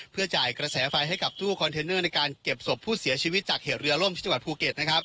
เพื่อจ่ายกระแสไฟให้กับตู้คอนเทนเนอร์ในการเก็บศพผู้เสียชีวิตจากเหตุเรือล่มที่จังหวัดภูเก็ตนะครับ